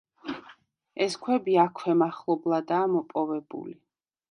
ეს ქვები აქვე მახლობლადაა მოპოვებული.